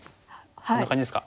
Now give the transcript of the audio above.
こんな感じですか。